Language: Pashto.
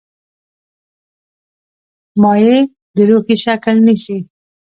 مایع د لوښي شکل نیسي.